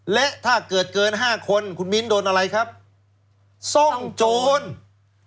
และถ้าเกิดเกินห้าคนคุณมิ้นโดนอะไรครับซ่องโจร